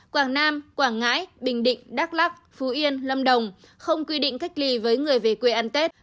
quảng nam quảng ngãi bình định đắk lắc phú yên lâm đồng không quy định cách ly với người về quê ăn tết